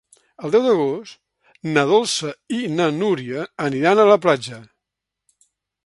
El deu d'agost na Dolça i na Núria aniran a la platja.